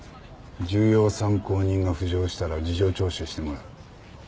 重要参考人が浮上したら事情聴取してもらう。